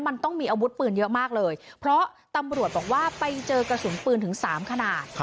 มันต้องมีอาวุธปืนเยอะมากเลยเพราะตำรวจบอกว่าไปเจอกระสุนปืนถึง๓ขนาด